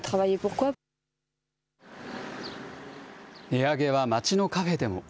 値上げは町のカフェでも。